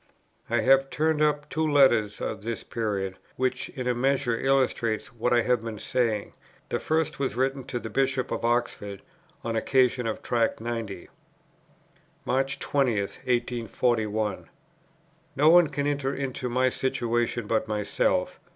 I have turned up two letters of this period, which in a measure illustrate what I have been saying. The first was written to the Bishop of Oxford on occasion of Tract 90: "March 20, 1841. No one can enter into my situation but myself.